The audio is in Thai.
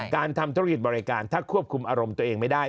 การทำธุรกิจบริการถ้าควบคุมอารมณ์ตัวเองไม่ได้